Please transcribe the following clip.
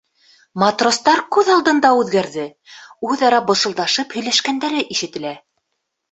Матростар күҙ алдында үҙгәрҙе, үҙ-ара бышылдашып һөйләшкәндәре ишетелә.